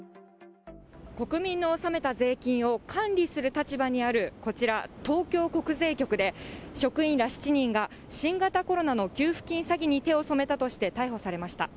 国民の納めた税金を管理する立場にあるこちら、東京国税局で、職員ら７人が新型コロナの給付金詐欺に手を染めたとして逮捕されました。